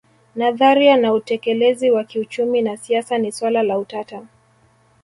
Nadharia na utekelezi wa kiuchumi na siasa ni swala la utata